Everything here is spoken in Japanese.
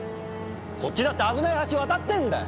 こっちだって危ない橋渡ってんだよ！